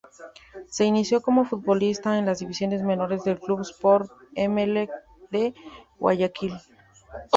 Se inició como futbolista en las divisiones menores del Club Sport Emelec de Guayaquil.